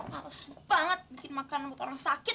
harus banget bikin makanan buat orang sakit